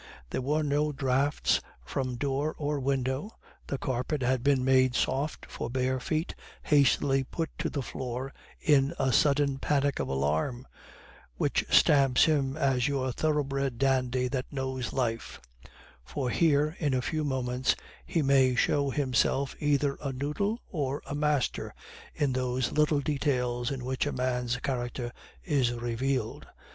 There were no draughts from door or window, the carpet had been made soft for bare feet hastily put to the floor in a sudden panic of alarm which stamps him as your thoroughbred dandy that knows life; for here, in a few moments, he may show himself either a noodle or a master in those little details in which a man's character is revealed.